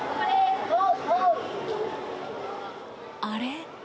あれ？